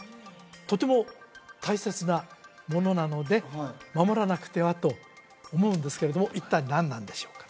とても大切なものなので守らなくてはと思うんですけれども一体何なんでしょうか？